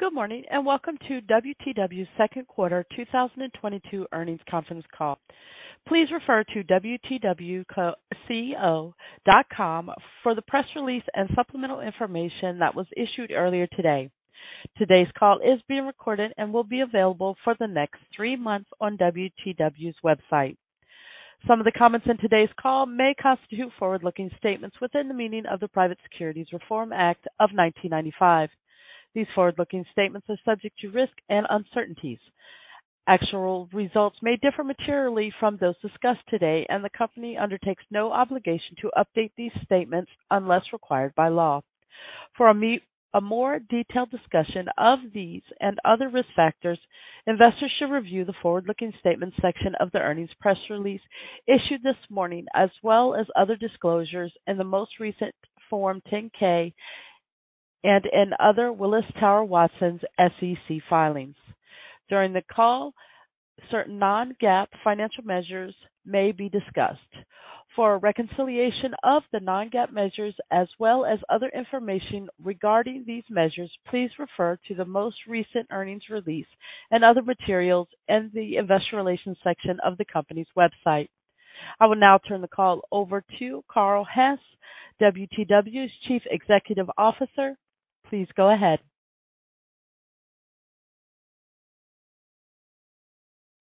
Good morning, and welcome to WTW's second quarter 2022 earnings conference call. Please refer to wtwco.com for the press release and supplemental information that was issued earlier today. Today's call is being recorded and will be available for the next three months on WTW's website. Some of the comments in today's call may constitute forward-looking statements within the meaning of the Private Securities Litigation Reform Act of 1995. These forward-looking statements are subject to risk and uncertainties. Actual results may differ materially from those discussed today, and the company undertakes no obligation to update these statements unless required by law. For a more detailed discussion of these and other risk factors, investors should review the forward-looking statements section of the earnings press release issued this morning, as well as other disclosures in the most recent Form 10-K and in other Willis Towers Watson's SEC filings. During the call, certain non-GAAP financial measures may be discussed. For a reconciliation of the non-GAAP measures as well as other information regarding these measures, please refer to the most recent earnings release and other materials in the investor relations section of the company's website. I will now turn the call over to Carl Hess, WTW's Chief Executive Officer. Please go ahead.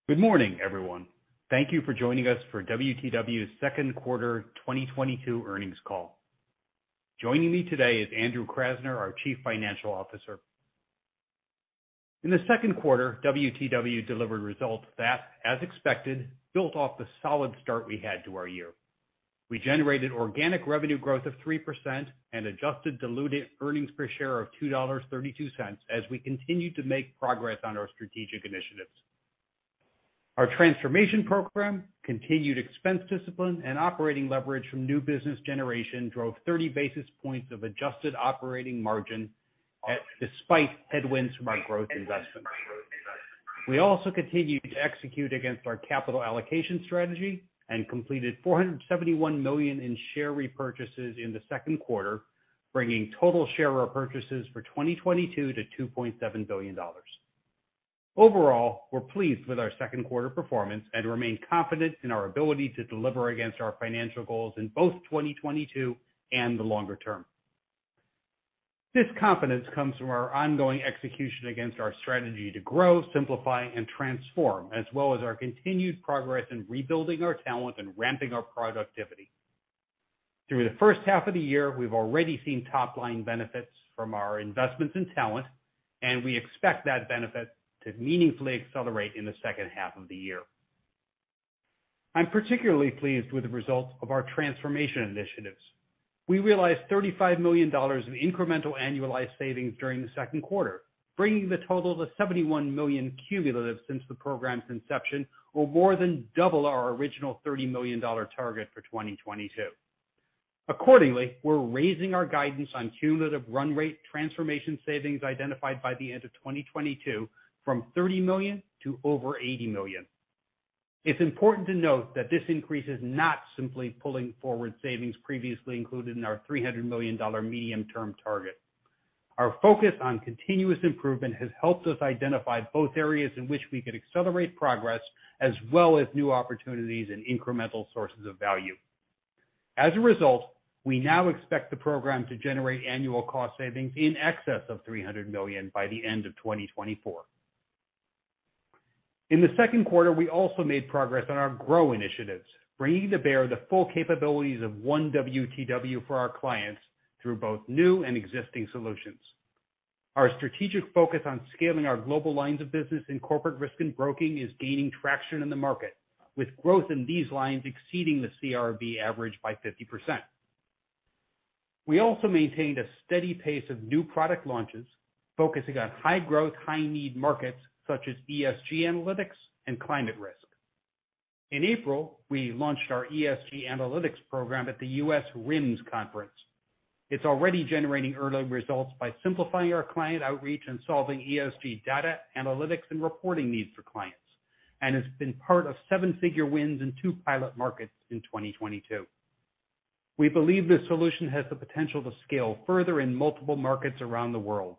Good morning, everyone. Thank you for joining us for WTW's second quarter 2022 earnings call. Joining me today is Andrew Krasner, our Chief Financial Officer. In the second quarter, WTW delivered results that, as expected, built off the solid start we had to our year. We generated organic revenue growth of 3% and adjusted diluted earnings per share of $2.32 as we continued to make progress on our strategic initiatives. Our transformation program, continued expense discipline, and operating leverage from new business generation drove 30 basis points of adjuste operating margin expansion despite headwinds from our growth investments. We also continued to execute against our capital allocation strategy and completed $471 million in share repurchases in the second quarter, bringing total share repurchases for 2022 to $2.7 billion. Overall, we're pleased with our second quarter performance and remain confident in our ability to deliver against our financial goals in both 2022 and the longer term. This confidence comes from our ongoing execution against our strategy to grow, simplify, and transform, as well as our continued progress in rebuilding our talent and ramping our productivity. Through the first half of the year, we've already seen top-line benefits from our investments in talent, and we expect that benefit to meaningfully accelerate in the second half of the year. I'm particularly pleased with the results of our transformation initiatives. We realized $35 million of incremental annualized savings during the second quarter, bringing the total to $71 million cumulative since the program's inception, or more than double our original $30 million target for 2022. Accordingly, we're raising our guidance on cumulative run rate transformation savings identified by the end of 2022 from $30 million to over $80 million. It's important to note that this increase is not simply pulling forward savings previously included in our $300 million medium-term target. Our focus on continuous improvement has helped us identify both areas in which we could accelerate progress as well as new opportunities and incremental sources of value. As a result, we now expect the program to generate annual cost savings in excess of $300 million by the end of 2024. In the second quarter, we also made progress on our grow initiatives, bringing to bear the full capabilities of one WTW for our clients through both new and existing solutions. Our strategic focus on scaling our global lines of business in corporate risk and broking is gaining traction in the market, with growth in these lines exceeding the CRB average by 50%. We also maintained a steady pace of new product launches, focusing on high-growth, high-need markets such as ESG analytics and climate risk. In April, we launched our ESG analytics program at the U.S. RIMS conference. It's already generating early results by simplifying our client outreach and solving ESG data analytics and reporting needs for clients, and it's been part of seven-figure wins in two pilot markets in 2022. We believe this solution has the potential to scale further in multiple markets around the world,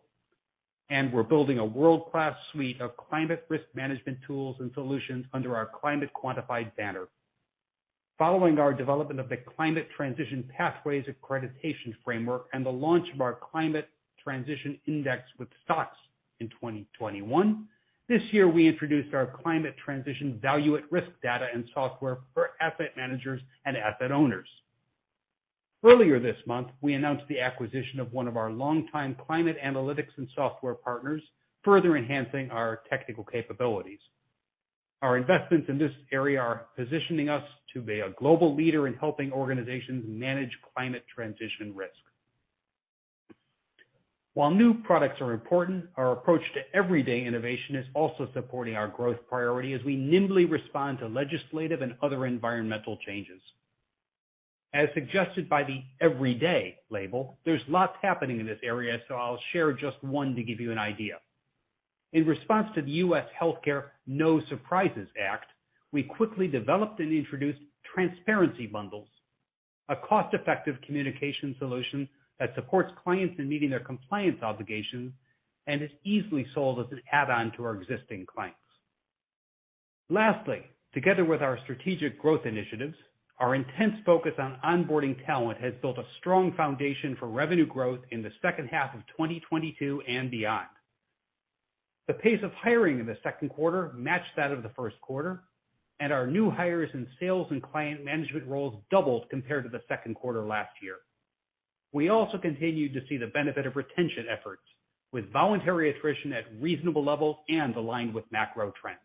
and we're building a world-class suite of climate risk management tools and solutions under our Climate Quantified banner. Following our development of the Climate Transition Pathways Accreditation Framework and the launch of our Climate Transition Index with STOXX in 2021, this year we introduced our Climate Transition Value at Risk data and software for asset managers and asset owners. Earlier this month, we announced the acquisition of one of our longtime climate analytics and software partners, further enhancing our technical capabilities. Our investments in this area are positioning us to be a global leader in helping organizations manage climate transition risk. While new products are important, our approach to everyday innovation is also supporting our growth priority as we nimbly respond to legislative and other environmental changes. As suggested by the everyday label, there's lots happening in this area, so I'll share just one to give you an idea. In response to the U.S. No Surprises Act, we quickly developed and introduced transparency bundles, a cost-effective communication solution that supports clients in meeting their compliance obligations and is easily sold as an add-on to our existing clients. Lastly, together with our strategic growth initiatives, our intense focus on onboarding talent has built a strong foundation for revenue growth in the second half of 2022 and beyond. The pace of hiring in the second quarter matched that of the first quarter, and our new hires in sales and client management roles doubled compared to the second quarter last year. We also continued to see the benefit of retention efforts, with voluntary attrition at reasonable levels and aligned with macro trends.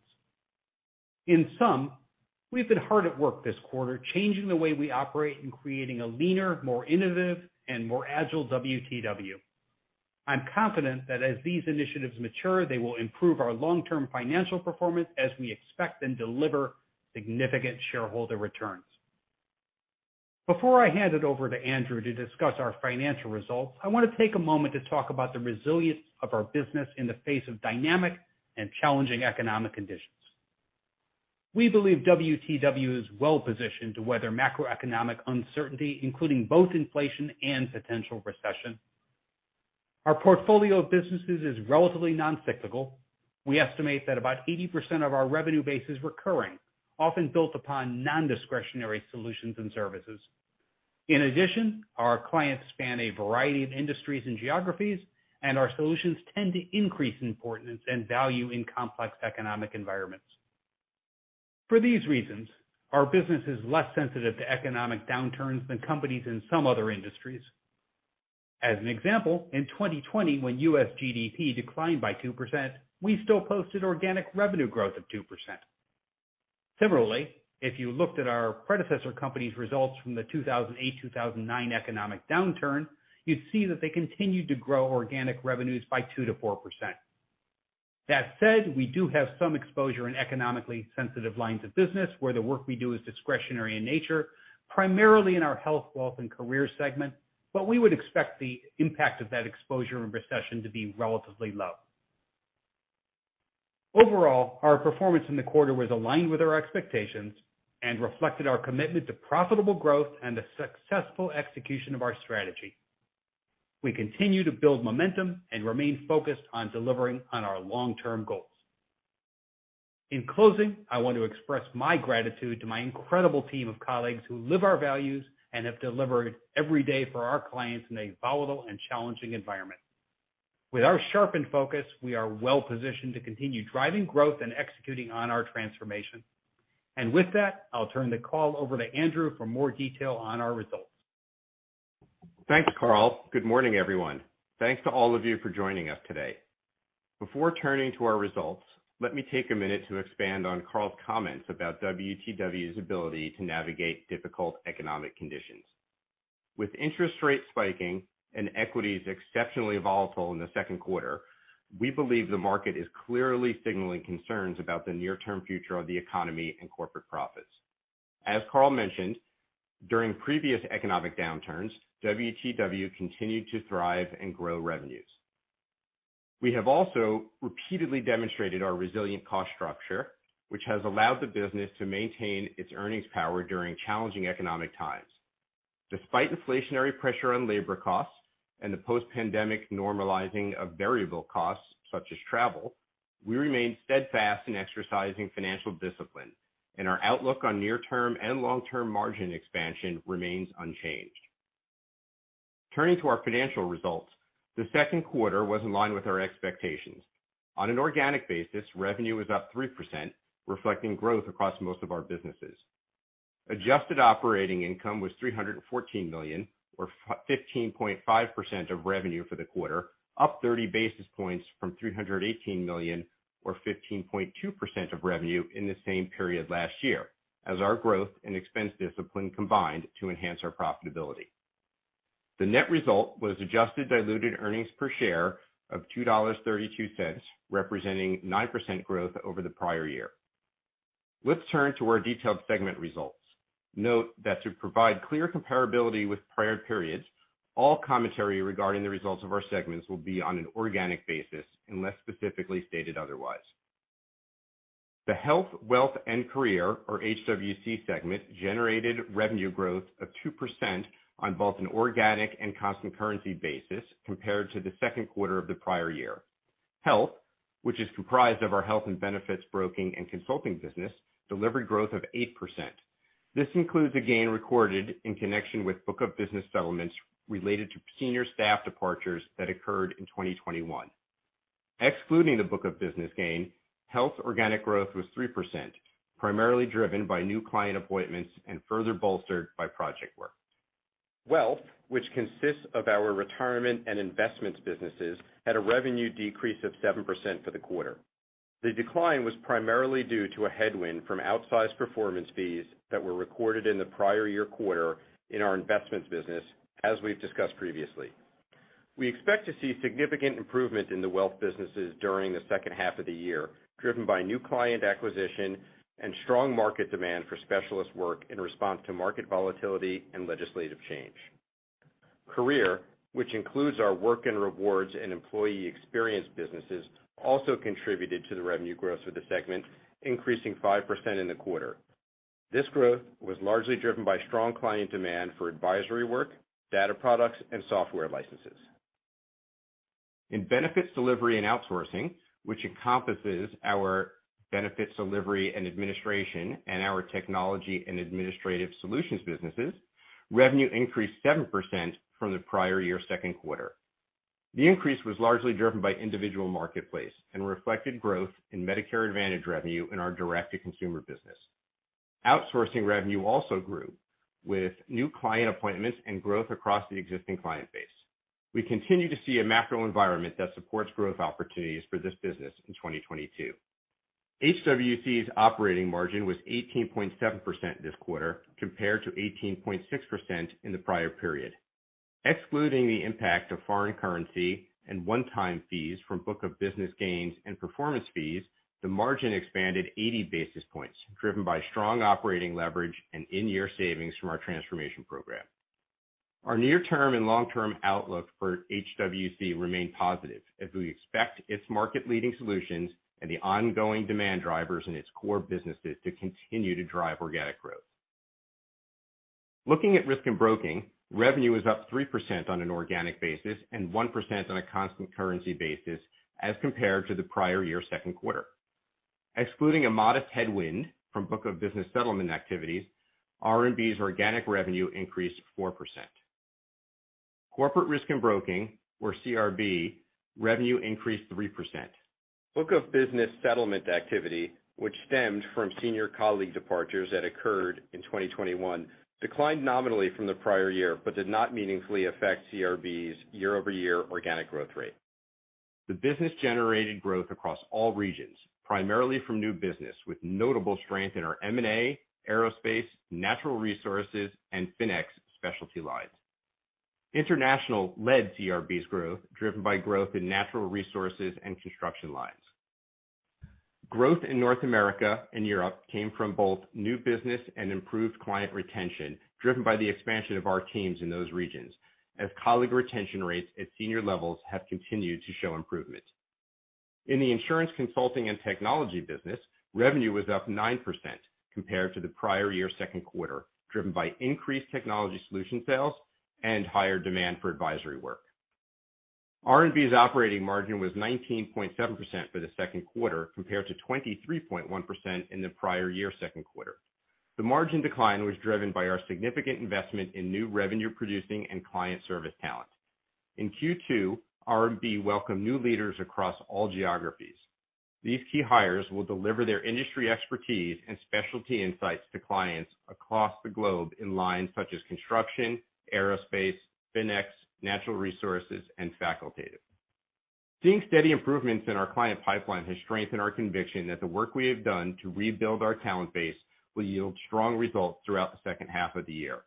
In sum, we've been hard at work this quarter changing the way we operate and creating a leaner, more innovative, and more agile WTW. I'm confident that as these initiatives mature, they will improve our long-term financial performance as we expect and deliver significant shareholder returns. Before I hand it over to Andrew to discuss our financial results, I want to take a moment to talk about the resilience of our business in the face of dynamic and challenging economic conditions. We believe WTW is well-positioned to weather macroeconomic uncertainty, including both inflation and potential recession. Our portfolio of businesses is relatively non-cyclical. We estimate that about 80% of our revenue base is recurring, often built upon non-discretionary solutions and services. In addition, our clients span a variety of industries and geographies, and our solutions tend to increase in importance and value in complex economic environments. For these reasons, our business is less sensitive to economic downturns than companies in some other industries. As an example, in 2020, when U.S. GDP declined by 2%, we still posted organic revenue growth of 2%. Similarly, if you looked at our predecessor company's results from the 2008, 2009 economic downturn, you'd see that they continued to organic revenues by 2%-4%. That said, we do have some exposure in economically sensitive lines of business where the work we do is discretionary in nature, primarily in our Health, Wealth & Career segment, but we would expect the impact of that exposure and recession to be relatively low. Overall, our performance in the quarter was aligned with our expectations and reflected our commitment to profitable growth and the successful execution of our strategy. We continue to build momentum and remain focused on delivering on our long-term goals. In closing, I want to express my gratitude to my incredible team of colleagues who live our values and have delivered every day for our clients in a volatile and challenging environment. With our sharpened focus, we are well-positioned to continue driving growth and executing on our transformation. With that, I'll turn the call over to Andrew for more detail on our results. Thanks, Carl. Good morning, everyone. Thanks to all of you for joining us today. Before turning to our results, let me take a minute to expand on Carl's comments about WTW's ability to navigate difficult economic conditions. With interest rates spiking and equities exceptionally volatile in the second quarter, we believe the market is clearly signaling concerns about the near-term future of the economy and corporate profits. As Carl mentioned, during previous economic downturns, WTW continued to thrive and grow revenues. We have also repeatedly demonstrated our resilient cost structure, which has allowed the business to maintain its earnings power during challenging economic times. Despite inflationary pressure on labor costs and the post-pandemic normalizing of variable costs such as travel, we remain steadfast in exercising financial discipline, and our outlook on near-term and long-term margin expansion remains unchanged. Turning to our financial results, the second quarter was in line with our expectations. On an organic basis, revenue was up 3%, reflecting growth across most of our businesses. Adjusted operating income was $314 million, or 15.5% of revenue for the quarter, up 30 basis points from $318 million, or 15.2% of revenue, in the same period last year as our growth and expense discipline combined to enhance our profitability. The net result was adjusted diluted earnings per share of $2.32, representing 9% growth over the prior year. Let's turn to our detailed segment results. Note that to provide clear comparability with prior periods, all commentary regarding the results of our segments will be on an organic basis unless specifically stated otherwise. The Health, Wealth & Career, or HWC segment, generated revenue growth of 2% on both an organic and constant currency basis compared to the second quarter of the prior year. Health, which is comprised of our health and benefits broking and consulting business, delivered growth of 8%. This includes a gain recorded in connection with book of business settlements related to senior staff departures that occurred in 2021. Excluding the book of business gain, Health organic growth was 3%, primarily driven by new client appointments and further bolstered by project work. Wealth, which consists of our retirement and investments businesses, had a revenue decrease of 7% for the quarter. The decline was primarily due to a headwind from outsized performance fees that were recorded in the prior year quarter in our investments business, as we've discussed previously. We expect to see significant improvement in the Wealth businesses during the second half of the year, driven by new client acquisition and strong market demand for specialist work in response to market volatility and legislative change. Career, which includes our Work & Rewards and Employee Experience businesses, also contributed to the revenue growth of the segment, increasing 5% in the quarter. This growth was largely driven by strong client demand for advisory work, data products, and software licenses. In Benefits Delivery & Outsourcing, which encompasses our Benefits Delivery & Administration and our Technology and Administrative Solutions businesses, revenue increased 7% from the prior year's second quarter. The increase was largely driven by individual marketplace and reflected growth in Medicare Advantage revenue in our direct-to-consumer business. Outsourcing revenue also grew with new client appointments and growth across the existing client base. We continue to see a macro environment that supports growth opportunities for this business in 2022. HWC's operating margin was 18.7% this quarter compared to 18.6% in the prior period. Excluding the impact of foreign currency and one-time fees from book of business gains and performance fees, the margin expanded 80 basis points, driven by strong operating leverage and in-year savings from our transformation program. Our near-term and long-term outlook for HWC remain positive as we expect its market-leading solutions and the ongoing demand drivers in its core businesses to continue to drive organic growth. Looking at Risk & Broking, revenue is up 3% on an organic basis and 1% on a constant currency basis as compared to the prior year's second quarter. Excluding a modest headwind from book of business settlement activities, R&B's organic revenue increased 4%. Corporate Risk and Broking, or CRB, revenue increased 3%. Book of business settlement activity, which stemmed from senior colleague departures that occurred in 2021, declined nominally from the prior year but did not meaningfully affect CRB's year-over-year organic growth rate. The business-generated growth across all regions, primarily from new business with notable strength in our M&A, aerospace, natural resources, and FINEX specialty lines. International led CRB's growth, driven by growth in natural resources and construction lines. Growth in North America and Europe came from both new business and improved client retention, driven by the expansion of our teams in those regions, as colleague retention rates at senior levels have continued to show improvement. In the Insurance Consulting and Technology business, revenue was up 9% compared to the prior year's second quarter, driven by increased technology solution sales and higher demand for advisory work. R&B's operating margin was 19.7% for the second quarter compared to 23.1% in the prior year's second quarter. The margin decline was driven by our significant investment in new revenue-producing and client service talent. In Q2, R&B welcomed new leaders across all geographies. These key hires will deliver their industry expertise and specialty insights to clients across the globe in lines such as construction, aerospace, FINEX, natural resources, and facultative. Seeing steady improvements in our client pipeline has strengthened our conviction that the work we have done to rebuild our talent base will yield strong results throughout the second half of the year.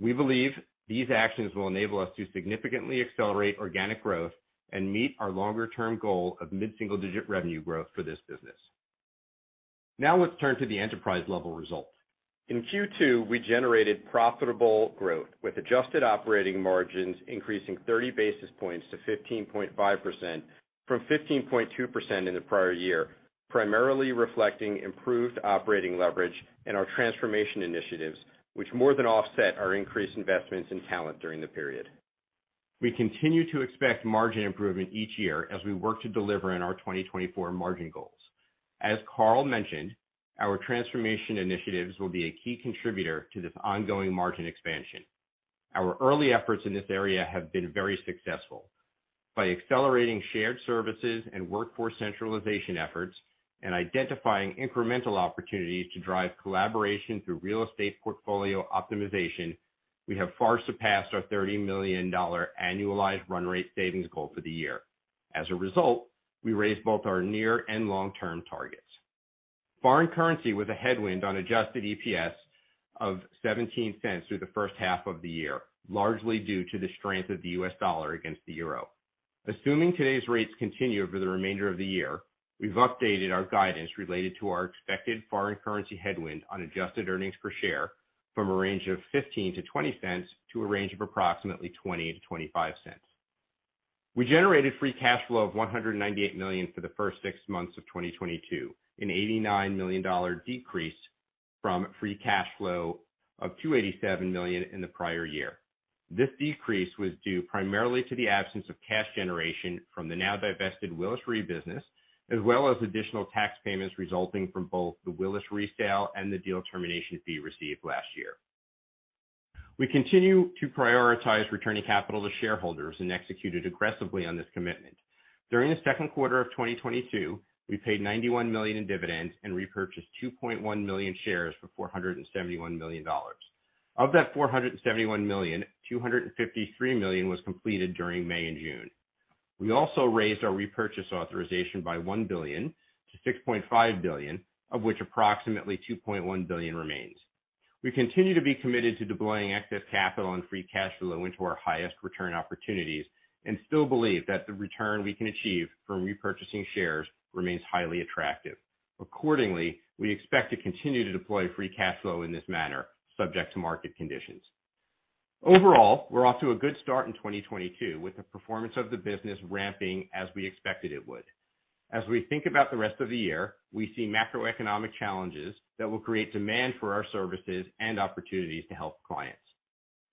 We believe these actions will enable us to significantly accelerate organic growth and meet our longer-term goal of mid-single-digit revenue growth for this business. Now let's turn to the enterprise-level results. In Q2, we generated profitable growth with adjusted operating margins increasing 30 basis points to 15.5% from 15.2% in the prior year, primarily reflecting improved operating leverage and our transformation initiatives, which more than offset our increased investments in talent during the period. We continue to expect margin improvement each year as we work to deliver on our 2024 margin goals. As Carl mentioned, our transformation initiatives will be a key contributor to this ongoing margin expansion. Our early efforts in this area have been very successful. By accelerating shared services and workforce centralization efforts and identifying incremental opportunities to drive collaboration through real estate portfolio optimization, we have far surpassed our $30 million annualized run rate savings goal for the year. As a result, we raised both our near and long-term targets. Foreign currency was a headwind on adjusted EPS of $0.17 through the first half of the year, largely due to the strength of the U.S. dollar against the euro. Assuming today's rates continue for the remainder of the year, we've updated our guidance related to our expected foreign currency headwind on adjusted earnings per share from a range of $0.15-$0.20 to a range of approximately $0.20-$0.25. We generated free cash flow of $198 million for the first six months of 2022, an $89 million decrease from free cash flow of $287 million in the prior year. This decrease was due primarily to the absence of cash generation from the now-divested Willis Re business, as well as additional tax payments resulting from both the Willis Re sale and the deal termination fee received last year. We continue to prioritize returning capital to shareholders and executed aggressively on this commitment. During the second quarter of 2022, we paid $91 million in dividends and repurchased 2.1 million shares for $471 million. Of that $471 million, $253 million was completed during May and June. We also raised our repurchase authorization by $1 billion to $6.5 billion, of which approximately $2.1 billion remains. We continue to be committed to deploying excess capital and free cash flow into our highest return opportunities and still believe that the return we can achieve from repurchasing shares remains highly attractive. Accordingly, we expect to continue to deploy free cash flow in this manner, subject to market conditions. Overall, we're off to a good start in 2022, with the performance of the business ramping as we expected it would. As we think about the rest of the year, we see macroeconomic challenges that will create demand for our services and opportunities to help clients.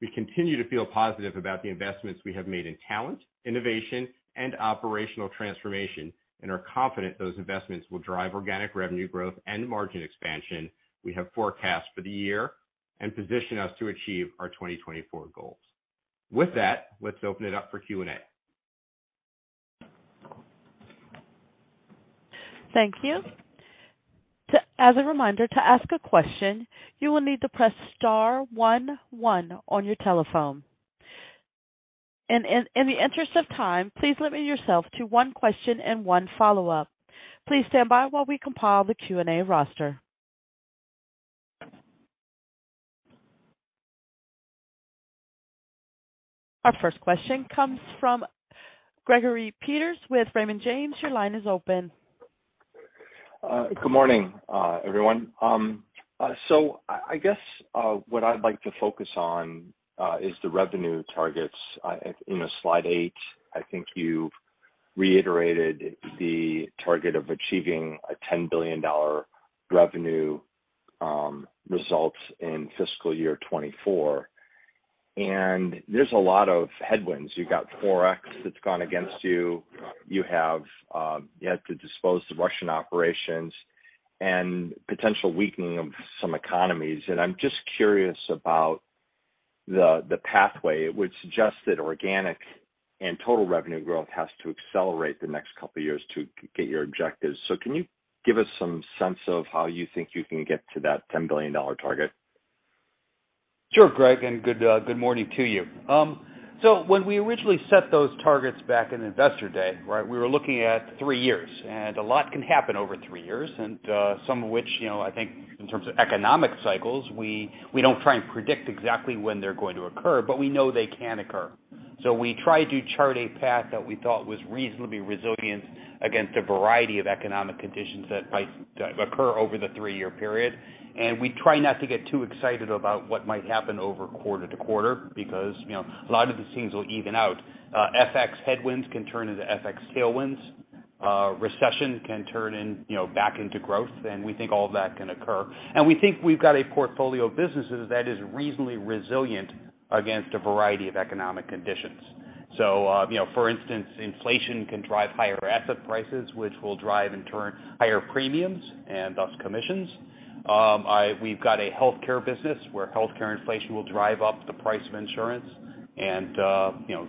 We continue to feel positive about the investments we have made in talent, innovation, and operational transformation, and are confident those investments will drive organic revenue growth and margin expansion we have forecast for the year, and position us to achieve our 2024 goals. With that, let's open it up for Q&A. Thank you. As a reminder, to ask a question, you will need to press star one one on your telephone. In the interest of time, please limit yourself to one question and one follow-up. Please stand by while we compile the Q&A roster. Our first question comes from Gregory Peters with Raymond James. Your line is open. Good morning, everyone. I guess what I'd like to focus on is the revenue targets. You know, slide eight, I think you reiterated the target of achieving a $10 billion revenue results in fiscal year 2024. There's a lot of headwinds. You've got Forex that's gone against you. You had to dispose of the Russian operations and potential weakening of some economies. I'm just curious about the pathway. It would suggest that organic and total revenue growth has to accelerate the next couple of years to get your objectives. Can you give us some sense of how you think you can get to that $10 billion target? Sure, Greg, and good morning to you. When we originally set those targets back in Investor Day, right, we were looking at three years. A lot can happen over three years, and some of which, you know, I think in terms of economic cycles, we don't try and predict exactly when they're going to occur, but we know they can occur. We try to chart a path that we thought was reasonably resilient against a variety of economic conditions that might occur over the three-year period. We try not to get too excited about what might happen over quarter to quarter because, you know, a lot of the things will even out. FX headwinds can turn into FX tailwinds. Recession can turn into growth, you know, and we think all of that can occur. We think we've got a portfolio of businesses that is reasonably resilient against a variety of economic conditions. You know, for instance, inflation can drive higher asset prices, which will drive, in turn, higher premiums and thus commissions. We've got a healthcare business, where healthcare inflation will drive up the price of insurance and, you know,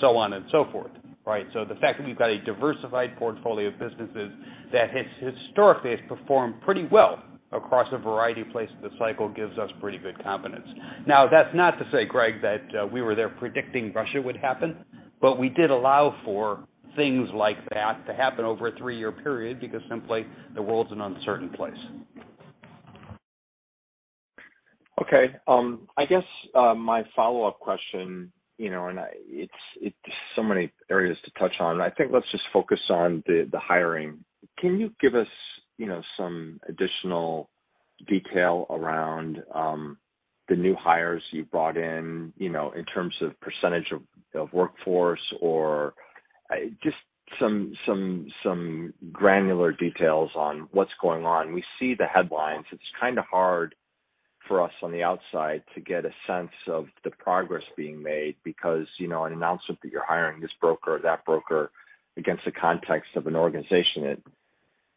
so on and so forth, right? The fact that we've got a diversified portfolio of businesses that has historically performed pretty well across a variety of places in the cycle gives us pretty good confidence. Now, that's not to say, Greg, that we were there predicting Russia would happen, but we did allow for things like that to happen over a three-year period because simply the world's an uncertain place. Okay. I guess my follow-up question, you know, and it's so many areas to touch on. I think let's just focus on the hiring. Can you give us, you know, some additional detail around the new hires you brought in, you know, in terms of percentage of workforce or just some granular details on what's going on. We see the headlines. It's kinda hard for us on the outside to get a sense of the progress being made because, you know, an announcement that you're hiring this broker or that broker against the context of an organization that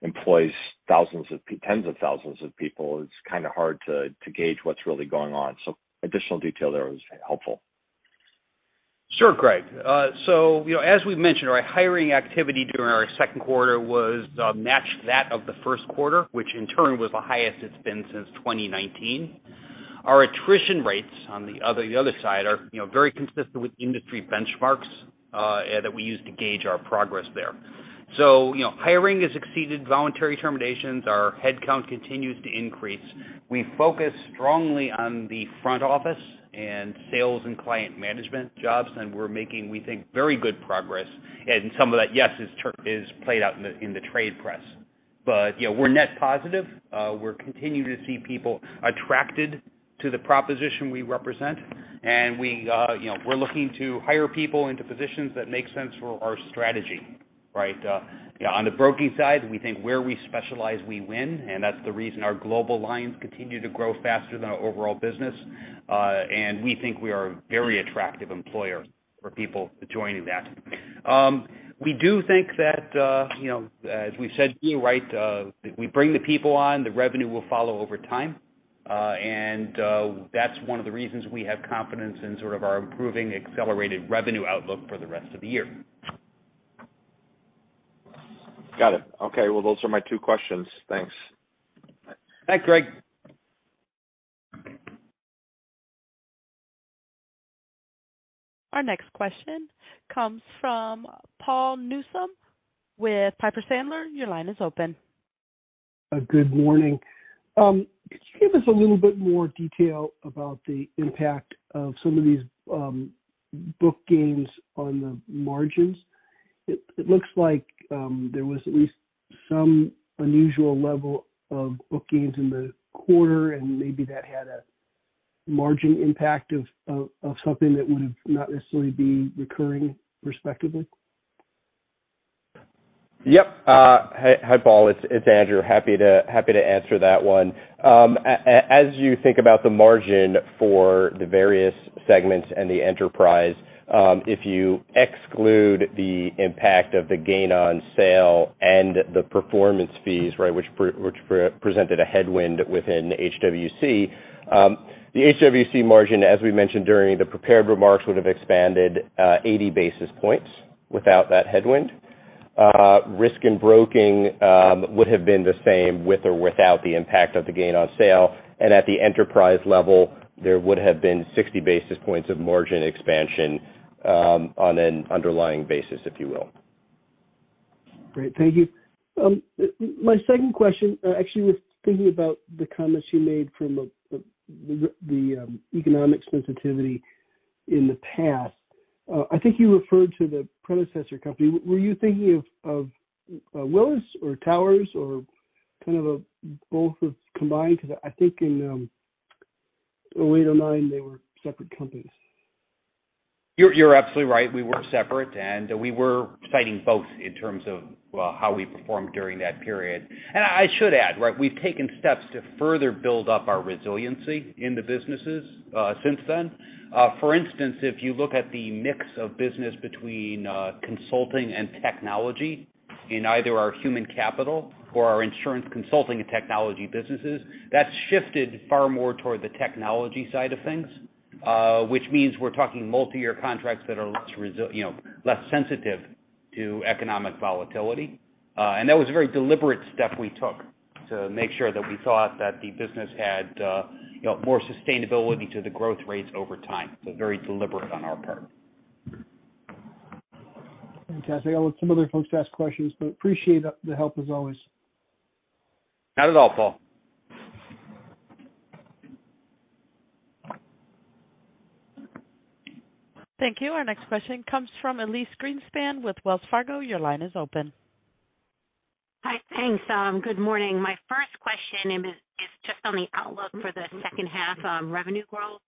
employs thousands of people, tens of thousands of people, it's kinda hard to gauge what's really going on. Additional detail there is helpful. Sure, Greg. You know, as we've mentioned, our hiring activity during our second quarter was matched that of the first quarter, which in turn was the highest it's been since 2019. Our attrition rates on the other side are, you know, very consistent with industry benchmarks that we use to gauge our progress there. You know, hiring has exceeded voluntary terminations. Our head count continues to increase. We focus strongly on the front office and sales and client management jobs, and we're making, we think, very good progress. Some of that, yes, is played out in the trade press. You know, we're net positive. We're continuing to see people attracted to the proposition we represent, and you know, we're looking to hire people into positions that make sense for our strategy, right? Yeah, on the broking side, we think where we specialize, we win, and that's the reason our global lines continue to grow faster than our overall business. We think we are a very attractive employer for people joining that. We do think that, you know, as we said to you, right, we bring the people on, the revenue will follow over time, and that's one of the reasons we have confidence in sort of our improving accelerated revenue outlook for the rest of the year. Got it. Okay, well, those are my two questions. Thanks. Thanks, Greg. Our next question comes from Paul Newsome with Piper Sandler. Your line is open. Good morning. Can you give us a little bit more detail about the impact of some of these book gains on the margins? It looks like there was at least some unusual level of bookings in the quarter, and maybe that had a margin impact of something that would not necessarily be recurring respectively. Yep. Hi, Paul. It's Andrew. Happy to answer that one. As you think about the margin for the various segments and the enterprise, if you exclude the impact of the gain on sale and the performance fees, right, which presented a headwind within HWC, the HWC margin, as we mentioned during the prepared remarks, would have expanded 80 basis points without that headwind. Risk & Broking would have been the same with or without the impact of the gain on sale. At the enterprise level, there would have been 60 basis points of margin expansion on an underlying basis, if you will. Great. Thank you. My second question actually was thinking about the comments you made from the economic sensitivity in the past. I think you referred to the predecessor company. Were you thinking of Willis or Towers or kind of both combined? Because I think in 2008 or 2009, they were separate companies. You're absolutely right. We were separate, and we were citing both in terms of, well, how we performed during that period. I should add, right, we've taken steps to further build up our resiliency in the businesses since then. For instance, if you look at the mix of business between consulting and technology in either our human capital or our Insurance Consulting and Technology businesses, that's shifted far more toward the technology side of things, which means we're talking multi-year contracts that are less you know, less sensitive to economic volatility. That was a very deliberate step we took to make sure that we thought that the business had, you know, more sustainability to the growth rates over time. Very deliberate on our part. Fantastic. I'll let some other folks ask questions, but appreciate the help as always. Not at all, Paul. Thank you. Our next question comes from Elyse Greenspan with Wells Fargo. Your line is open. Hi. Thanks. Good morning. My first question is just on the outlook for the second half on revenue growth.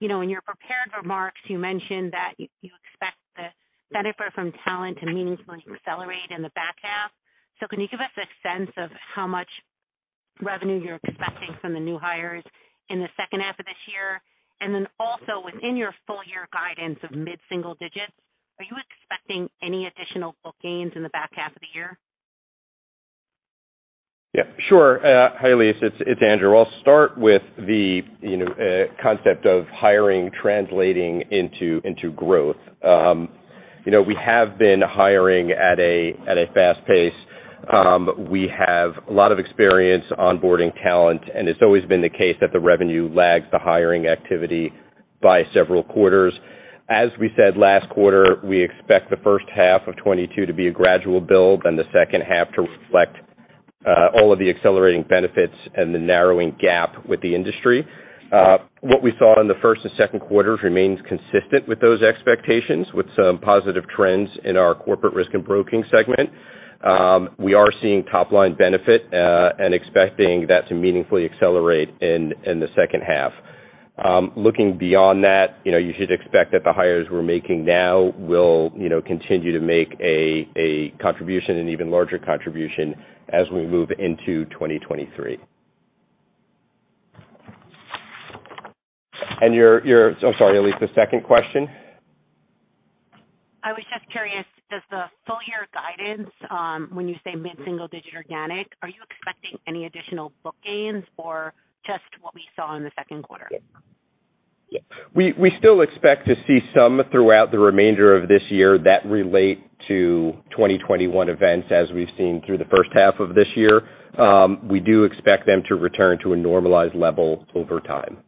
You know, in your prepared remarks, you mentioned that you expect the benefit from talent and meaningfully accelerate in the back half. Can you give us a sense of how much revenue you're expecting from the new hires in the second half of this year? And then also within your full year guidance of mid-single digits, are you expecting any additional book gains in the back half of the year? Yeah, sure. Hi, Elyse. It's Andrew. I'll start with the, you know, concept of hiring translating into growth. You know, we have been hiring at a fast pace. We have a lot of experience onboarding talent, and it's always been the case that the revenue lags the hiring activity by several quarters. As we said last quarter, we expect the first half of 2022 to be a gradual build and the second half to reflect all of the accelerating benefits and the narrowing gap with the industry. What we saw in the first and second quarters remains consistent with those expectations with some positive trends in our Corporate Risk & Broking segment. We are seeing top line benefit and expecting that to meaningfully accelerate in the second half. Looking beyond that, you know, you should expect that the hires we're making now will, you know, continue to make a contribution, an even larger contribution as we move into 2023. I'm sorry, Elyse, the second question. I was just curious, does the full year guidance, when you say mid-single digit organic, are you expecting any additional book gains or just what we saw in the second quarter? We still expect to see some throughout the remainder of this year that relate to 2021 events as we've seen through the first half of this year. We do expect them to return to a normalized level over time.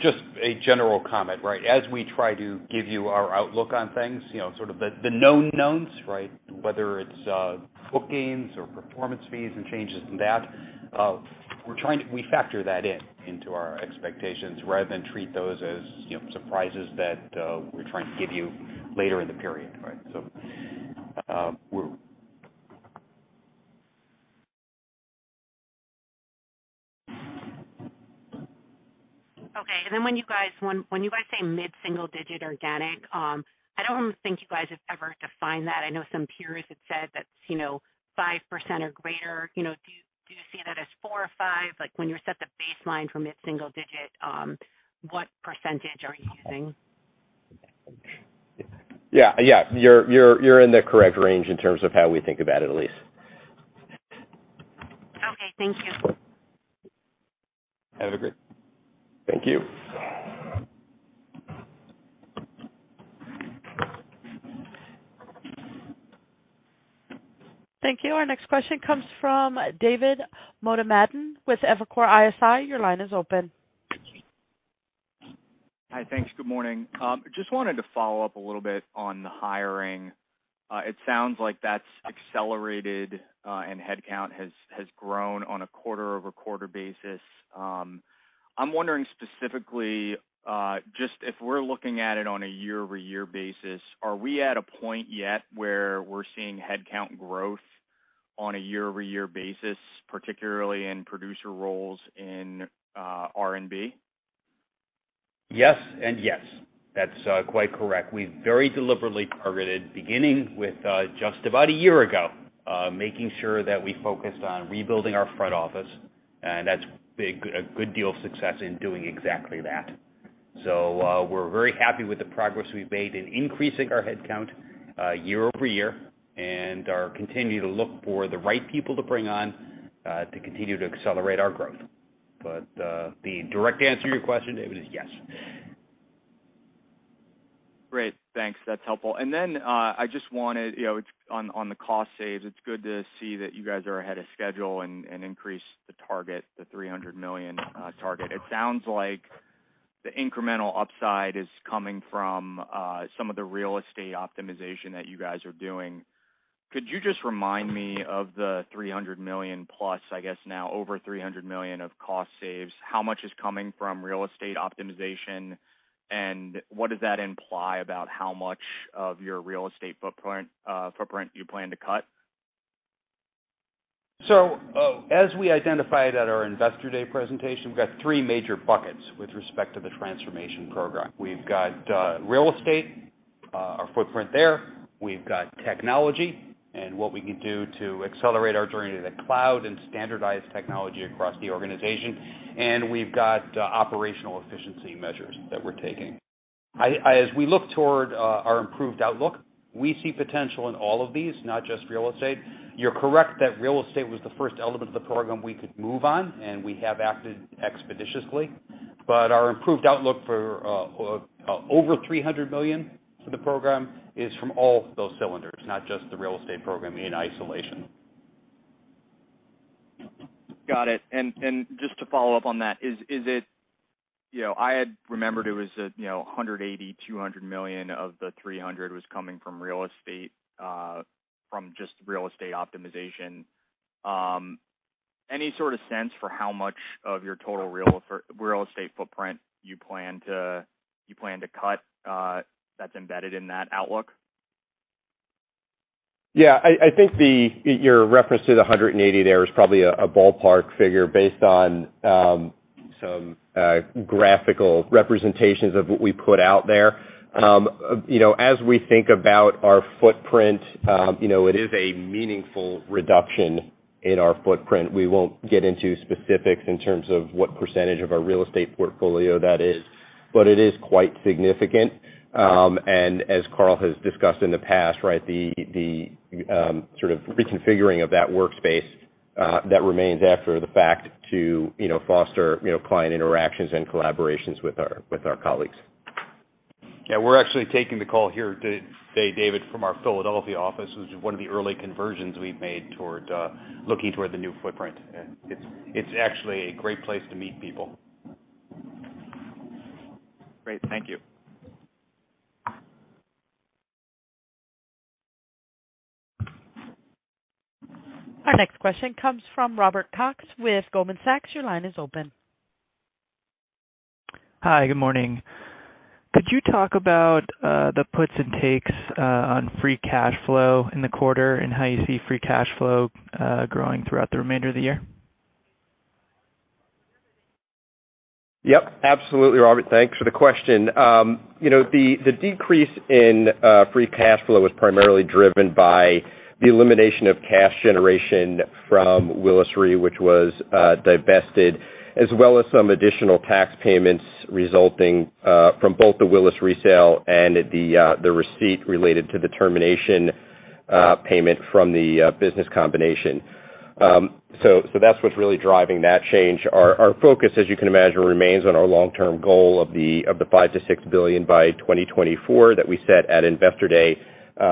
Just a general comment, right? As we try to give you our outlook on things, you know, sort of the known knowns, right? Whether it's book gains or performance fees and changes in that, we factor that in into our expectations rather than treat those as, you know, surprises that we're trying to give you later in the period, right? We're- Okay. When you guys say mid-single digit organic, I don't think you guys have ever defined that. I know some peers had said that's, you know, 5% or greater. You know, do you see that as 4% or 5%? Like, when you set the baseline from mid-single digit, what percentage are you using? Yeah. You're in the correct range in terms of how we think about it, Elyse. Okay, thank you. Have a great. Thank you. Thank you. Our next question comes from David Motemaden with Evercore ISI. Your line is open. Hi. Thanks. Good morning. Just wanted to follow up a little bit on the hiring. It sounds like that's accelerated, and headcount has grown on a quarter-over-quarter basis. I'm wondering specifically, just if we're looking at it on a year-over-year basis, are we at a point yet where we're seeing headcount growth on a year-over-year basis, particularly in producer roles in R&B? Yes and yes. That's quite correct. We very deliberately targeted, beginning with, just about a year ago, making sure that we focused on rebuilding our front office, and that's been a good deal of success in doing exactly that. We're very happy with the progress we've made in increasing our headcount, year-over-year, and are continuing to look for the right people to bring on, to continue to accelerate our growth. The direct answer to your question, David, is yes. Great. Thanks. That's helpful. I just wanted, you know, on the cost savings, it's good to see that you guys are ahead of schedule and increased the target, the $300 million target. It sounds like the incremental upside is coming from some of the real estate optimization that you guys are doing. Could you just remind me of the $300 million plus, I guess now over $300 million of cost savings, how much is coming from real estate optimization, and what does that imply about how much of your real estate footprint you plan to cut? As we identified at our Investor Day presentation, we've got three major buckets with respect to the transformation program. We've got real estate, our footprint there. We've got technology and what we can do to accelerate our journey to the cloud and standardize technology across the organization. We've got operational efficiency measures that we're taking. As we look toward our improved outlook, we see potential in all of these, not just real estate. You're correct that real estate was the first element of the program we could move on, and we have acted expeditiously. Our improved outlook for over $300 million for the program is from all those cylinders, not just the real estate program in isolation. Got it. Just to follow up on that, you know, I had remembered it was, you know, $180 million-$200 million of the $300 million was coming from real estate, from just real estate optimization. Any sort of sense for how much of your total real estate footprint you plan to cut, that's embedded in that outlook? Yeah. I think your reference to the 180 there is probably a ballpark figure based on some graphical representations of what we put out there. You know, as we think about our footprint, you know, it is a meaningful reduction in our footprint. We won't get into specifics in terms of what percentage of our real estate portfolio that is, but it is quite significant. As Carl has discussed in the past, right, the sort of reconfiguring of that workspace that remains after the fact to, you know, foster, you know, client interactions and collaborations with our colleagues. Yeah. We're actually taking the call here to David, from our Philadelphia office. This is one of the early conversions we've made toward looking toward the new footprint. It's actually a great place to meet people. Great. Thank you. Our next question comes from Robert Cox with Goldman Sachs. Your line is open. Hi. Good morning. Could you talk about the puts and takes on free cash flow in the quarter and how you see free cash flow growing throughout the remainder of the year? Yep, absolutely, Robert. Thanks for the question. You know, the decrease in free cash flow was primarily driven by the elimination of cash generation from Willis Re, which was divested, as well as some additional tax payments resulting from both the Willis Re sale and the receipt related to the termination payment from the business combination. So that's what's really driving that change. Our focus, as you can imagine, remains on our long-term goal of the $5 billion-$6 billion by 2024 that we set at Investor Day,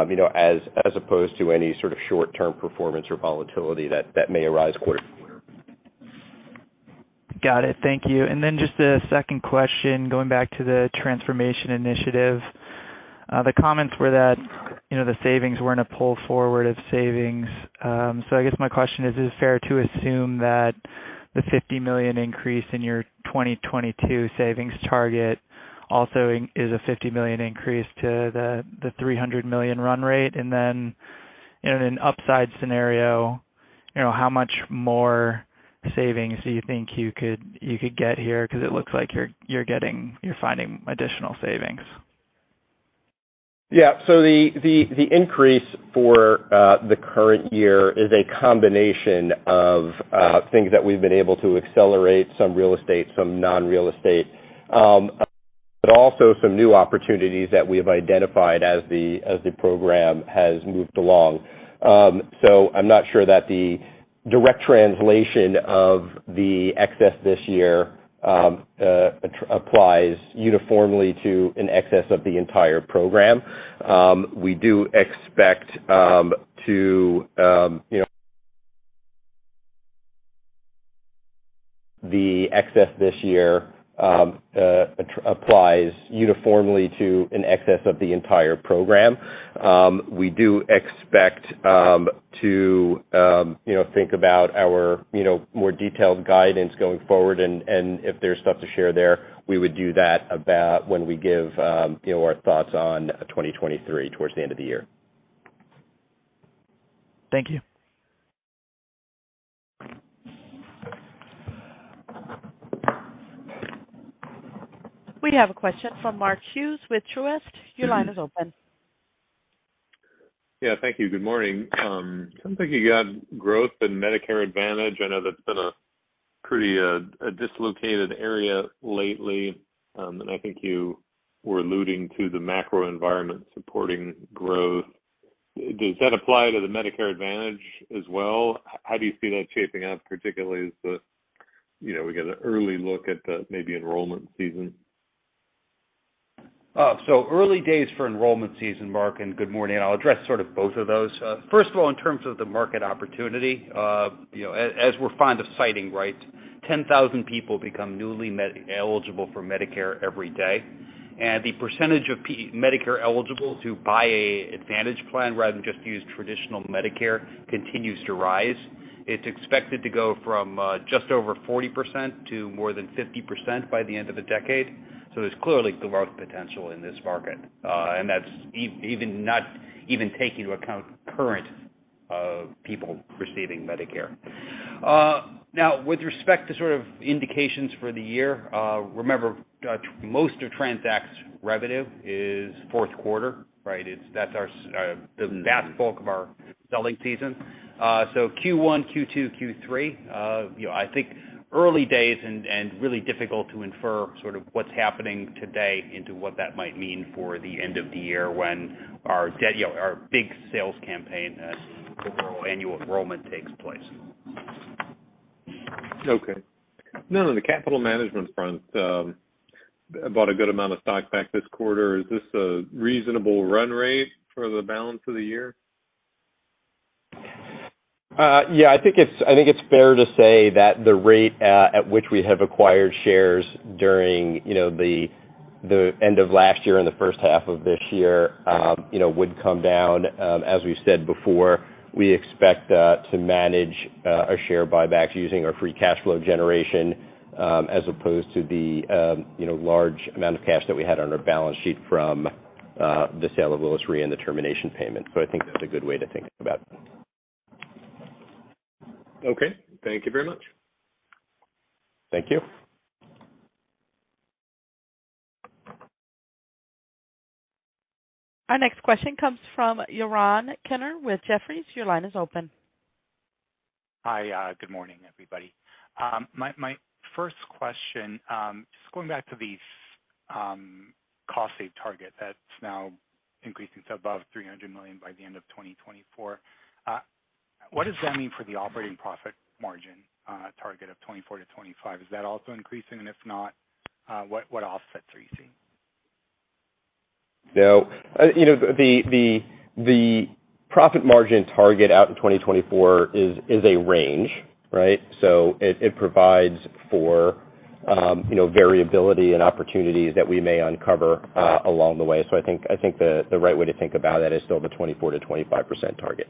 you know, as opposed to any sort of short-term performance or volatility that may arise quarter to quarter. Got it. Thank you. Just a second question, going back to the transformation initiative. The comments were that, you know, the savings weren't a pull forward of savings. I guess my question is it fair to assume that the $50 million increase in your 2022 savings target also is a $50 million increase to the $300 million run rate? In an upside scenario, you know, how much more savings do you think you could get here? Because it looks like you're finding additional savings. Yeah. The increase for the current year is a combination of things that we've been able to accelerate, some real estate, some non-real estate, but also some new opportunities that we have identified as the program has moved along. I'm not sure that the direct translation of the excess this year applies uniformly to an excess of the entire program. The excess this year applies uniformly to an excess of the entire program. We do expect to you know, think about our you know, more detailed guidance going forward. If there's stuff to share there, we would do that about when we give you know, our thoughts on 2023 towards the end of the year. Thank you. We have a question from Mark Hughes with Truist. Your line is open. Yeah, thank you. Good morning. You got growth in Medicare Advantage. I know that's been a pretty dislocated area lately, and I think you were alluding to the macro environment supporting growth. Does that apply to the Medicare Advantage as well? How do you see that shaping up, particularly as we get an early look at maybe enrollment season? Early days for enrollment season, Mark, and good morning. I'll address sort of both of those. First of all, in terms of the market opportunity, you know, as we're fond of citing, right, 10,000 people become newly eligible for Medicare every day. The percentage of people Medicare eligible to buy a Medicare Advantage plan rather than just use traditional Medicare continues to rise. It's expected to go from just over 40% to more than 50% by the end of the decade. There's clearly growth potential in this market, and that's even not even taking into account current people receiving Medicare. Now with respect to sort of indications for the year, remember, most of TRANZACT's revenue is fourth quarter, right? That's our, the vast bulk of our selling season. Q1, Q2, Q3, you know, I think early days and really difficult to infer sort of what's happening today into what that might mean for the end of the year when, you know, our big sales campaign for annual enrollment takes place. Okay. Now on the capital management front, bought a good amount of stock back this quarter. Is this a reasonable run rate for the balance of the year? Yeah, I think it's fair to say that the rate at which we have acquired shares during you know the end of last year and the first half of this year would come down. As we've said before, we expect to manage our share buybacks using our free cash flow generation as opposed to the you know large amount of cash that we had on our balance sheet from the sale of Willis Re and the termination payment. I think that's a good way to think about it. Okay, thank you very much. Thank you. Our next question comes from Yaron Kinar with Jefferies. Your line is open. Hi, good morning, everybody. My first question, just going back to these cost savings target that's now increasing to above $300 million by the end of 2024. What does that mean for the operating profit margin target of 24%-25%? Is that also increasing? If not, what offsets are you seeing? You know, the profit margin target out in 2024 is a range, right? It provides for, you know, variability and opportunities that we may uncover along the way. I think the right way to think about that is still the 24%-25% target.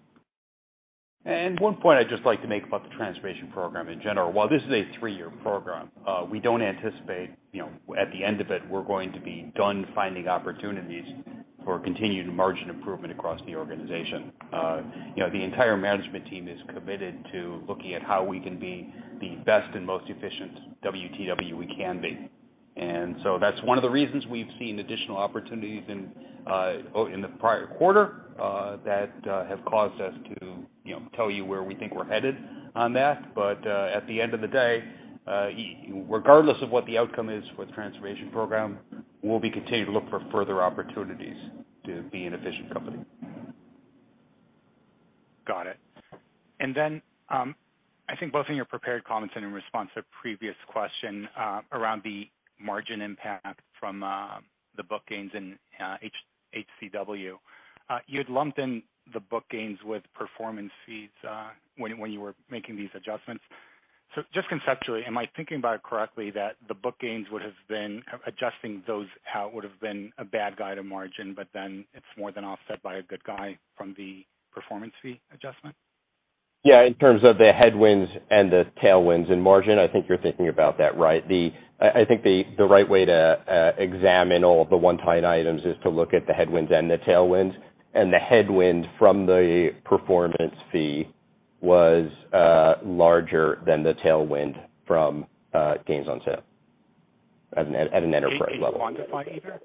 One point I'd just like to make about the transformation program in general. While this is a three-year program, we don't anticipate, you know, at the end of it, we're going to be done finding opportunities for continued margin improvement across the organization. You know, the entire management team is committed to looking at how we can be the best and most efficient WTW we can be. That's one of the reasons we've seen additional opportunities in the prior quarter that have caused us to, you know, tell you where we think we're headed on that. At the end of the day, regardless of what the outcome is for the transformation program, we'll be continuing to look for further opportunities to be an efficient company. Got it. I think both in your prepared comments and in response to a previous question, around the margin impact from the book gains in HWC. You had lumped in the book gains with performance fees, when you were making these adjustments. Just conceptually, am I thinking about it correctly, that adjusting those out would have been a bad guide to margin, but then it's more than offset by a good guide from the performance fee adjustment? Yeah, in terms of the headwinds and the tailwinds in margin, I think you're thinking about that right. I think the right way to examine all of the one-time items is to look at the headwinds and the tailwinds. The headwind from the performance fee was larger than the tailwind from gains on sale at an enterprise level. Can you quantify either?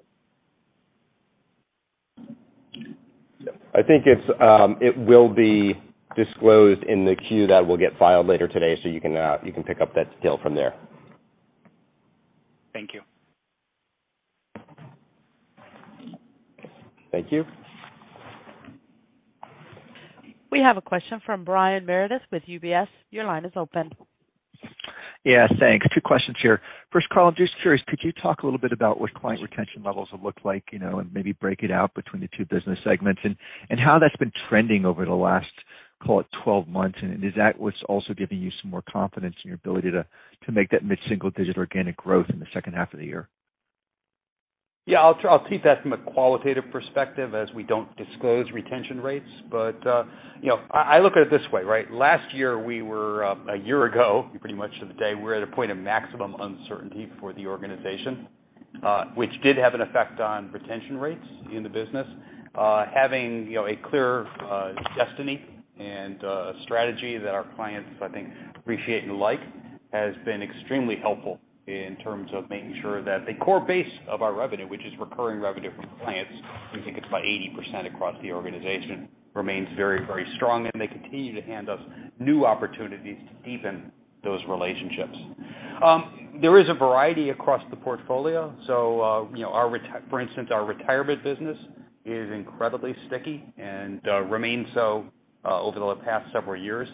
I think it will be disclosed in the Q that will get filed later today, so you can pick up that detail from there. Thank you. Thank you. We have a question from Brian Meredith with UBS. Your line is open. Yeah. Thanks. Two questions here. First, Carl, I'm just curious, could you talk a little bit about what client retention levels have looked like, you know, and maybe break it out between the two business segments and how that's been trending over the last, call it, 12 months? Is that what's also giving you some more confidence in your ability to make that mid-single digit organic growth in the second half of the year? Yeah, I'll keep that from a qualitative perspective as we don't disclose retention rates. You know, I look at it this way, right? Last year we were, a year ago, pretty much to the day, we were at a point of maximum uncertainty for the organization, which did have an effect on retention rates in the business. Having, you know, a clear, destiny and, strategy that our clients, I think appreciate and like has been extremely helpful in terms of making sure that the core base of our revenue, which is recurring revenue from clients, we think it's about 80% across the organization, remains very, very strong, and they continue to hand us new opportunities to deepen those relationships. There is a variety across the portfolio. You know, for instance, our retirement business is incredibly sticky and remains so over the past several years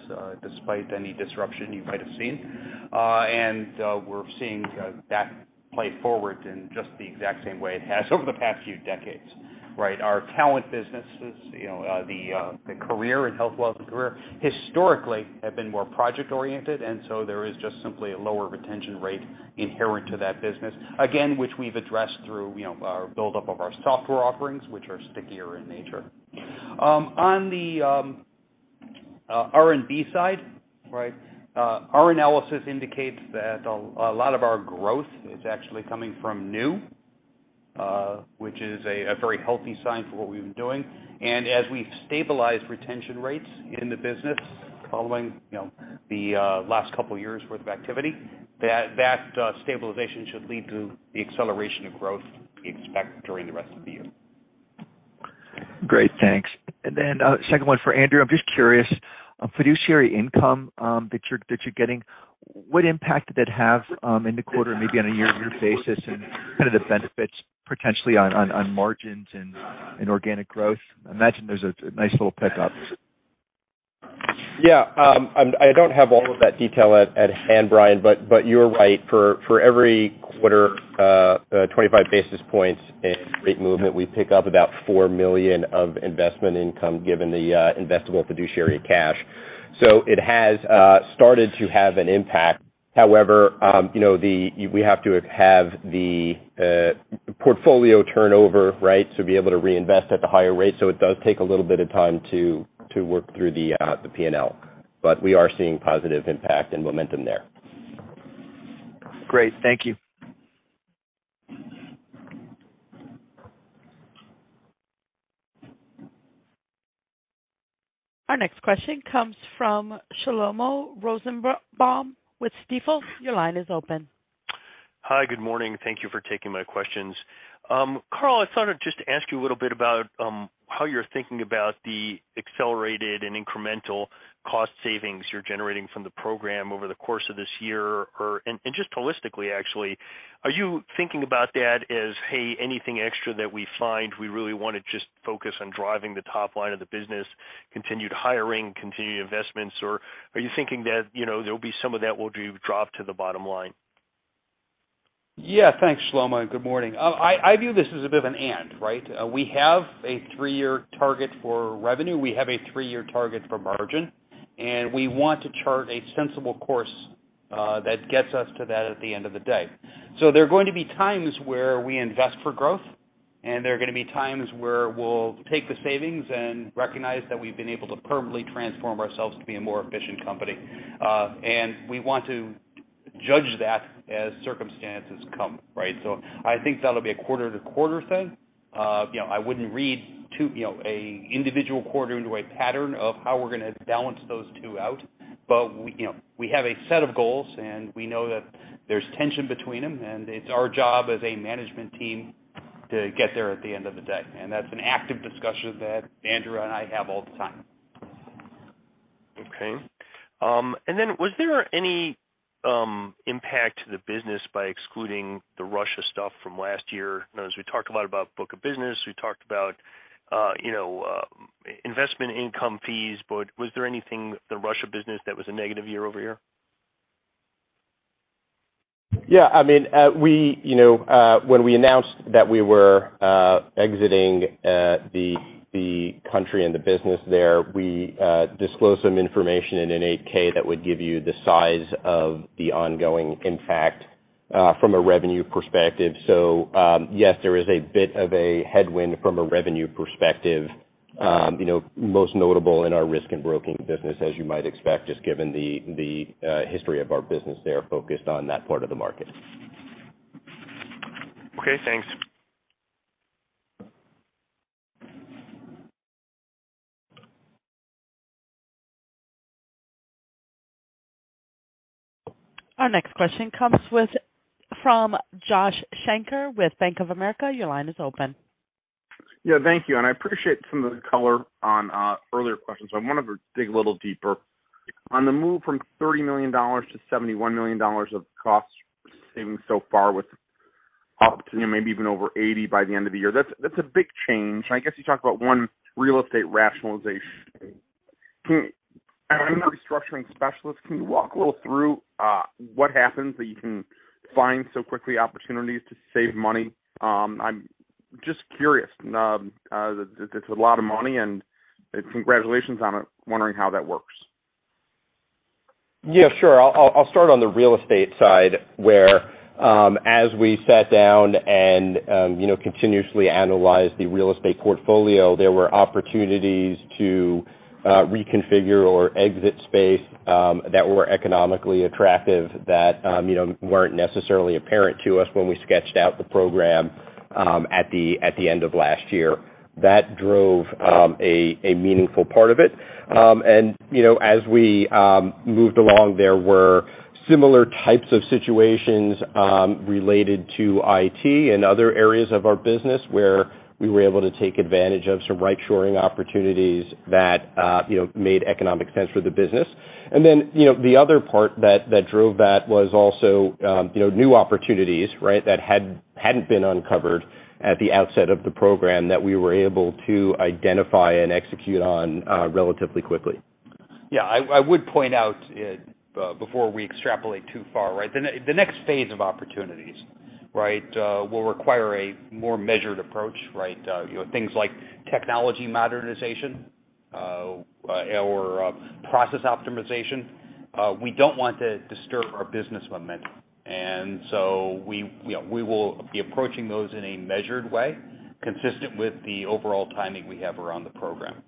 despite any disruption you might have seen. We're seeing that play out in just the exact same way it has over the past few decades, right? Our talent businesses, you know, the Health, Wealth & Career historically have been more project oriented, and so there is just simply a lower retention rate inherent to that business. Again, which we've addressed through, you know, our buildup of our software offerings, which are stickier in nature. On the R&B side, right, our analysis indicates that a lot of our growth is actually coming from new, which is a very healthy sign for what we've been doing. As we stabilize retention rates in the business following, you know, the last couple of years worth of activity, that stabilization should lead to the acceleration of growth we expect during the rest of the year. Great. Thanks. Second one for Andrew. I'm just curious on fiduciary income that you're getting, what impact did that have in the quarter, maybe on a year-over-year basis and kind of the benefits potentially on margins and organic growth? I imagine there's a nice little pickup. Yeah. I don't have all of that detail at hand, Brian, but you're right. For every quarter, 25 basis points in rate movement, we pick up about $4 million of investment income given the investable fiduciary cash. So it has started to have an impact. However, you know, we have to have the portfolio turnover, right, to be able to reinvest at the higher rate. So it does take a little bit of time to work through the P&L. We are seeing positive impact and momentum there. Great. Thank you. Our next question comes from Shlomo Rosenbaum with Stifel. Your line is open. Hi. Good morning. Thank you for taking my questions. Carl, I just wanted to ask you a little bit about how you're thinking about the accelerated and incremental cost savings you're generating from the program over the course of this year. Just holistically, actually, are you thinking about that as, "Hey, anything extra that we find, we really wanna just focus on driving the top line of the business, continued hiring, continued investments?" Or are you thinking that, you know, there'll be some of that will drop to the bottom line? Yeah. Thanks, Shlomo. Good morning. I view this as a bit of an and, right? We have a three-year target for revenue, we have a three-year target for margin, and we want to chart a sensible course that gets us to that at the end of the day. There are going to be times where we invest for growth, and there are gonna be times where we'll take the savings and recognize that we've been able to permanently transform ourselves to be a more efficient company. We want to judge that as circumstances come, right? I think that'll be a quarter to quarter thing. You know, I wouldn't read too much, you know, into an individual quarter into a pattern of how we're gonna balance those two out. you know, we have a set of goals, and we know that there's tension between them, and it's our job as a management team to get there at the end of the day. That's an active discussion that Andrew and I have all the time. Was there any impact to the business by excluding the Russia stuff from last year? You know, as we talked a lot about book of business, we talked about, you know, investment income fees, but was there anything the Russia business that was a negative year-over-year? Yeah. I mean, we you know when we announced that we were exiting the country and the business there, we disclosed some information in an 8-K that would give you the size of the ongoing impact from a revenue perspective. Yes, there is a bit of a headwind from a revenue perspective, you know, most notable in our Risk & Broking business, as you might expect, just given the history of our business there, focused on that part of the market. Okay, thanks. Our next question comes from Joshua Shanker with Bank of America. Your line is open. Yeah, thank you. I appreciate some of the color on earlier questions. I wanted to dig a little deeper. On the move from $30 million to $71 million of cost savings so far with the- Up to maybe even over 80 by the end of the year. That's a big change. I guess you talked about one real estate rationalization. I'm not a restructuring specialist, can you walk a little through what happens that you can find so quickly opportunities to save money? I'm just curious. It's a lot of money, and congratulations on it. Wondering how that works. Yeah, sure. I'll start on the real estate side, where as we sat down and you know, continuously analyzed the real estate portfolio, there were opportunities to reconfigure or exit space that were economically attractive that you know, weren't necessarily apparent to us when we sketched out the program at the end of last year. That drove a meaningful part of it. You know, as we moved along, there were similar types of situations related to IT and other areas of our business where we were able to take advantage of some right shoring opportunities that you know, made economic sense for the business. You know, the other part that drove that was also you know, new opportunities, right? That hadn't been uncovered at the outset of the program that we were able to identify and execute on, relatively quickly. Yeah. I would point out before we extrapolate too far, right? The next phase of opportunities, right? You know, things like technology modernization or process optimization. We don't want to disturb our business momentum. We, you know, we will be approaching those in a measured way, consistent with the overall timing we have around the program.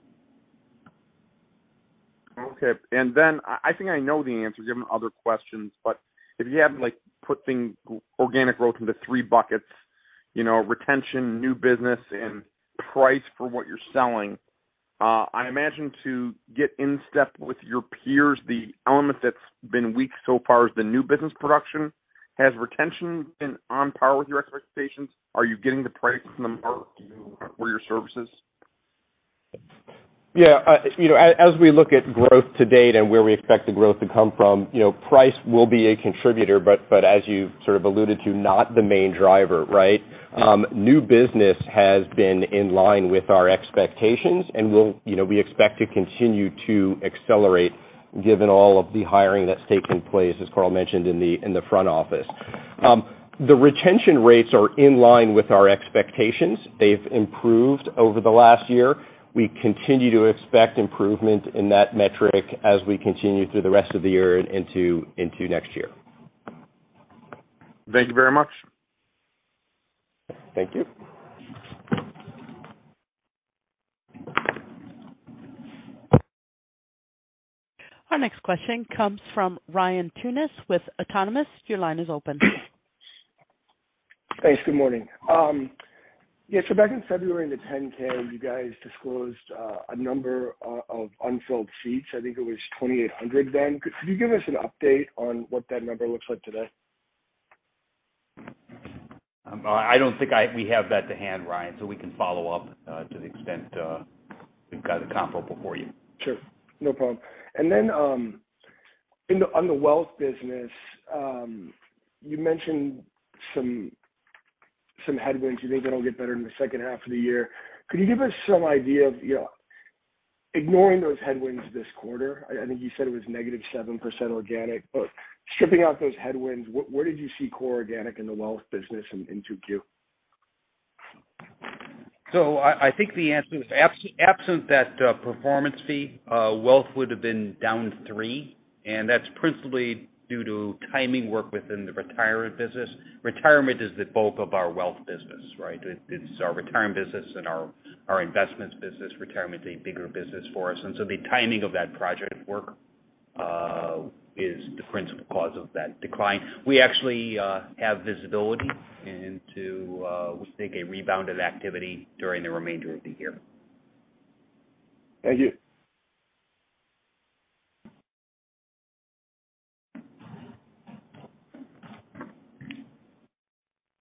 Okay. I think I know the answer given other questions, but if you had, like, put things, organic growth into three buckets, you know, retention, new business, and price for what you're selling. I imagine to get in step with your peers, the element that's been weak so far is the new business production. Has retention been on par with your expectations? Are you getting the price from them for your services? Yeah. You know, as we look at growth to date and where we expect the growth to come from, you know, price will be a contributor, but as you sort of alluded to, not the main driver, right? New business has been in line with our expectations, and we expect to continue to accelerate given all of the hiring that's taking place, as Carl mentioned in the front office. The retention rates are in line with our expectations. They've improved over the last year. We continue to expect improvement in that metric as we continue through the rest of the year and into next year. Thank you very much. Thank you. Our next question comes from Ryan Tunis with Autonomous. Your line is open. Thanks. Good morning. Yeah, back in February, in the 10-K, you guys disclosed a number of unfilled seats. I think it was 2,800 then. Could you give us an update on what that number looks like today? I don't think we have that to hand, Ryan, so we can follow up to the extent we've got a comparable for you. Sure, no problem. Then, on the wealth business, you mentioned some headwinds you think that'll get better in the second half of the year. Could you give us some idea of, you know, ignoring those headwinds this quarter? I think you said it was negative 7% organic, but stripping out those headwinds, where did you see core organic in the wealth business in 2Q? I think the answer is absent that performance fee, wealth would have been down 3%, and that's principally due to timing work within the retirement business. Retirement is the bulk of our wealth business, right? It's our retirement business and our investment business. Retirement is a bigger business for us, and the timing of that project work is the principal cause of that decline. We actually have visibility into, we think a rebound of activity during the remainder of the year. Thank you.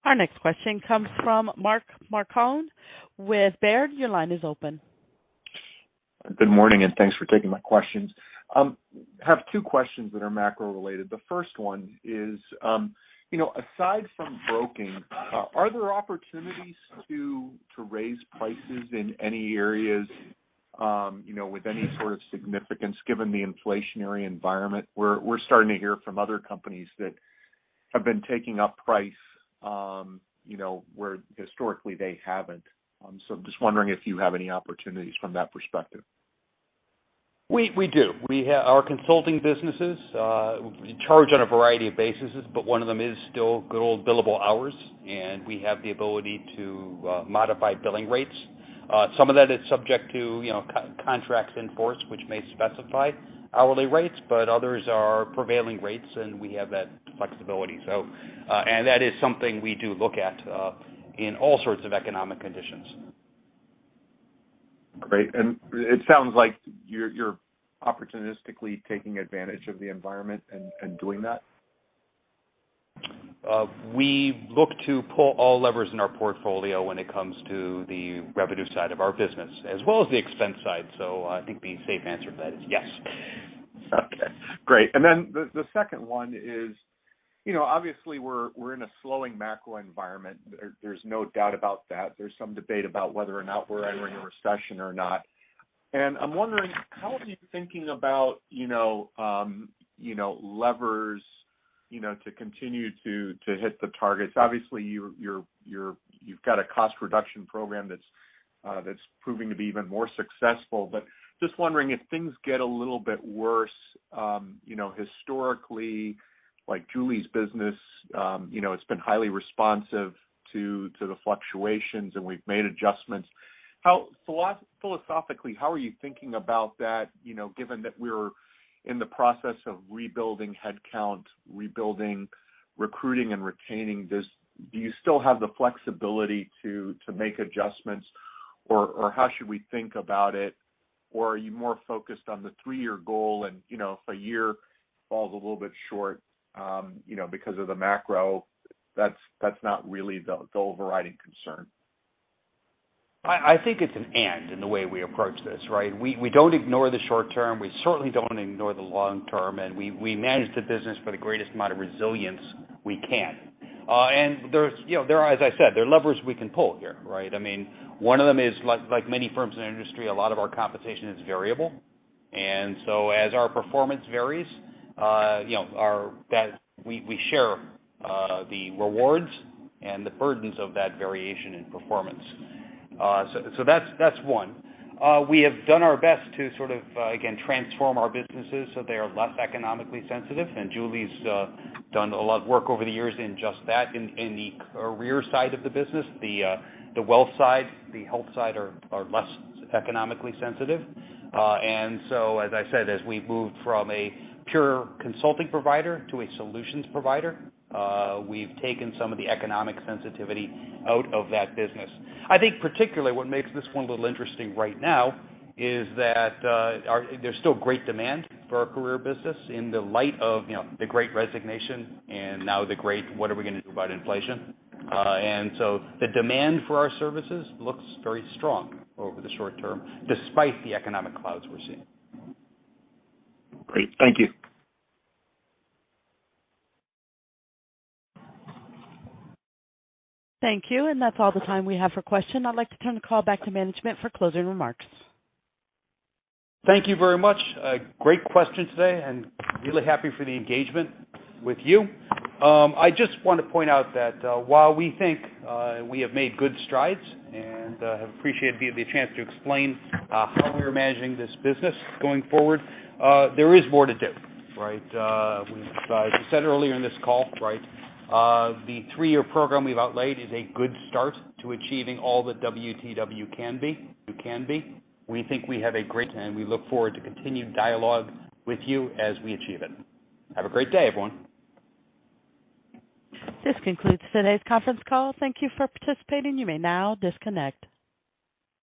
Our next question comes from Mark Marcon with Baird. Your line is open. Good morning, and thanks for taking my questions. Have two questions that are macro related. The first one is, you know, aside from broking, are there opportunities to raise prices in any areas, you know, with any sort of significance given the inflationary environment? We're starting to hear from other companies that have been taking up price, you know, where historically they haven't. I'm just wondering if you have any opportunities from that perspective. We do. Our consulting businesses charge on a variety of bases, but one of them is still good old billable hours, and we have the ability to modify billing rates. Some of that is subject to, you know, contracts in force, which may specify hourly rates, but others are prevailing rates, and we have that flexibility. That is something we do look at in all sorts of economic conditions. Great. It sounds like you're opportunistically taking advantage of the environment and doing that. We look to pull all levers in our portfolio when it comes to the revenue side of our business as well as the expense side. I think the safe answer to that is yes. Great. Then the second one is, you know, obviously we're in a slowing macro environment. There's no doubt about that. There's some debate about whether or not we're entering a recession or not. I'm wondering how are you thinking about, you know, levers, you know, to continue to hit the targets. Obviously, you've got a cost reduction program that's proving to be even more successful. But just wondering if things get a little bit worse, you know, historically, like Julie's business, you know, it's been highly responsive to the fluctuations and we've made adjustments. Philosophically, how are you thinking about that, you know, given that we're in the process of rebuilding headcount, recruiting and retaining this. Do you still have the flexibility to make adjustments? How should we think about it? Are you more focused on the three-year goal and, you know, if a year falls a little bit short, you know, because of the macro, that's not really the overriding concern? I think it's an 'and' in the way we approach this, right? We don't ignore the short term, we certainly don't ignore the long term, and we manage the business for the greatest amount of resilience we can. There's, you know, as I said, there are levers we can pull here, right? I mean, one of them is like many firms in our industry, a lot of our compensation is variable. So as our performance varies, you know, we share the rewards and the burdens of that variation in performance. So that's one. We have done our best to sort of again transform our businesses so they are less economically sensitive. Julie's done a lot of work over the years in just that, in the career side of the business. The wealth side, the health side are less economically sensitive. As I said, as we've moved from a pure consulting provider to a solutions provider, we've taken some of the economic sensitivity out of that business. I think particularly what makes this one a little interesting right now is that, there's still great demand for our career business in the light of, you know, the great resignation and now the great what are we gonna do about inflation. The demand for our services looks very strong over the short term, despite the economic clouds we're seeing. Great. Thank you. Thank you. That's all the time we have for questions. I'd like to turn the call back to management for closing remarks. Thank you very much. A great question today, and really happy for the engagement with you. I just want to point out that, while we think we have made good strides and have appreciated the chance to explain how we are managing this business going forward, there is more to do, right? As we said earlier in this call, right, the three-year program we've outlaid is a good start to achieving all that WTW can be. We think we have a great team, and we look forward to continued dialogue with you as we achieve it. Have a great day, everyone. This concludes today's conference call. Thank you for participating. You may now disconnect.